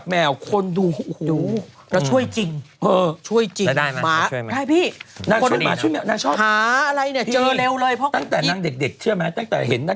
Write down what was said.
ไม่มีอะไรอ่ะสิไม่น่าตื่นเต้น